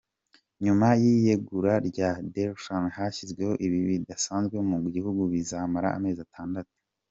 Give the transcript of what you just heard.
Nyuma y’iyegura rya Desalegn hashyizweho ibihe bidasanzwe mu gihugu bizamara amezi atandatu.